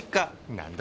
何だ